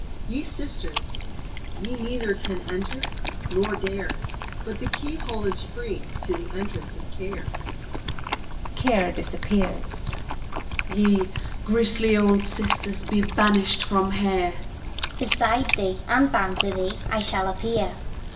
CARE. Ye Sisters, ye neither can enter, nor dare ; But the keyhole is free to the entrance of Care. (Care disappears.) WANT. Ye, grisly old Sisters, be banished from here ! GUILT. Beside thee, and bound to thee, I shall appear!